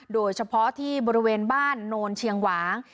โดยเฉพาะที่บริเวณบ้านโนนเชียงหวาง